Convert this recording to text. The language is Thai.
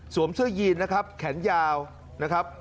เสื้อยีนนะครับแขนยาวนะครับ